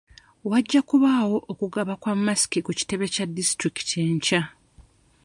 Wajja kubaawo okugaba kwa masiki ku kitebe kya disitulikiti enkya.